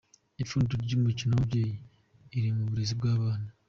Ipfundo ry’umukiro w’ababyeyi riri mu burezi bw’abana.